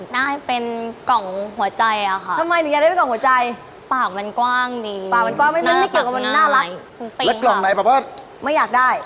แล้วกล่องไหนปะป๊อตไม่อยากได้